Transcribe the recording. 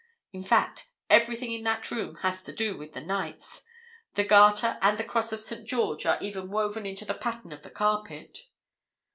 In fact, everything in that room has to do with the Knights. The Garter and the Cross of St. George are even woven into the pattern of the carpet."